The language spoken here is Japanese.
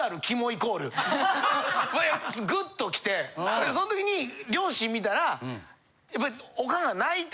やっぱグッときてそのときに両親見たらやっぱり。